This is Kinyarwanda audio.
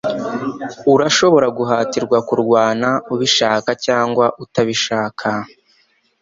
Urashobora guhatirwa kurwana ubishaka cyangwa utabishaka